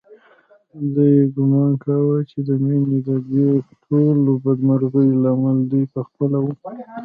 دوی ګومان کاوه چې د مينې ددې ټولو بدمرغیو لامل دوی په خپله و